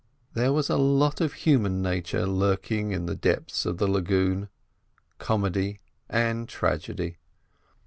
There was a lot of human nature lurking in the depths of the lagoon, comedy and tragedy.